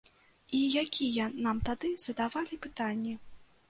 І якія нам тады задавалі пытанні?